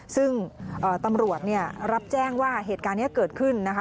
ซึ่งตำรวจรับแจ้งว่าเหตุการณ์นี้เกิดขึ้นนะคะ